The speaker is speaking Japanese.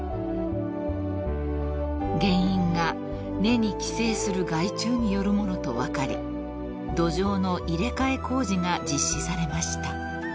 ［原因が根に寄生する害虫によるものと分かり土壌の入れ替え工事が実施されました］